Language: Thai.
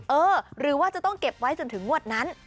เออหรือว่าจะต้องเก็บไว้จนถึงงวดนั้น